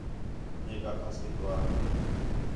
میک آکھاس ہِک وار